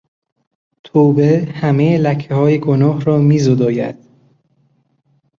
توبه همهی لکههای گناه را میزداید.